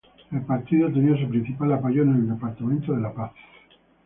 El partido tenía su principal apoyo en el Departamento de La Paz.